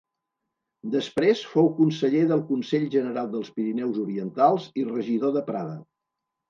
Després fou conseller del Consell General dels Pirineus Orientals i regidor de Prada.